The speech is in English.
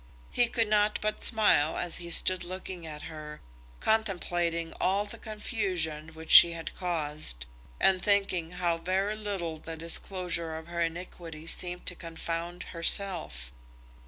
He could not but smile as he stood looking at her, contemplating all the confusion which she had caused, and thinking how very little the disclosure of her iniquity seemed to confound herself.